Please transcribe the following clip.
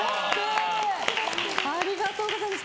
ありがとうございます。